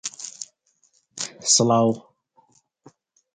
Dobbs himself was injured during the battle.